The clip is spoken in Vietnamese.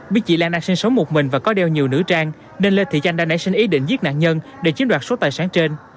biết chị lan đang sinh sống một mình và có đeo nhiều nữ trang nên lê thị chanh đã nảy sinh ý định giết nạn nhân để chiếm đoạt số tài sản trên